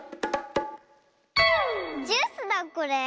ジュースだこれ。